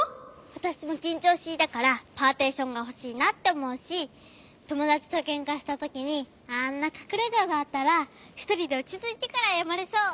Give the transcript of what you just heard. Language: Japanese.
わたしもきんちょうしいだからパーティションがほしいなっておもうしともだちとけんかしたときにあんなかくれががあったらひとりでおちついてからあやまれそう。